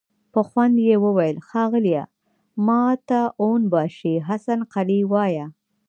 په خوند يې وويل: ښاغليه! ماته اون باشي حسن قلي وايه!